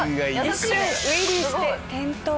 一瞬ウイリーして転倒。